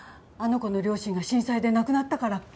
あの子の両親が震災で亡くなったから。